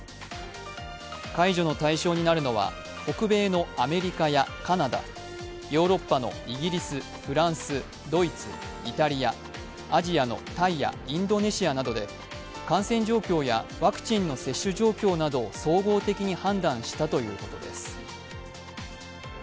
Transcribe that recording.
解除の対象になるのは北米のアメリカやカナダ、ヨーロッパのイギリスフランス、ドイツ、イタリア、アジアのタイやインドネシアなどで感染状況やワクチンの接種状況などを総合的に判断したということです。